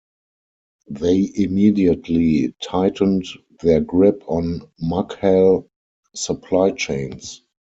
They immediately tightened their grip on Mughal supply chains.